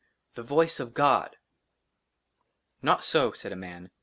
THE VOICE OF GOD !"" NOT SO," SAID A MAN.